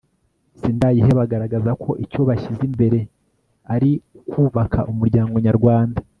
sindayiheba agaragaza ko icyo bashyize imbere ari ukubaka umuryango nyarwanda